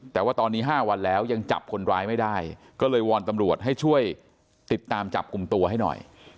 แต่ว่าตอนนี้๕วันแล้วยังจับคนร้ายไม่ได้ก็เลยวอนตำรวจให้ช่วยติดตามจับกลุ่มตัวให้หน่อย